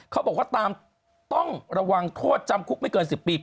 เขาบอกว่าตามต้องระวังโทษจำคุกไม่เกิน๑๐ปี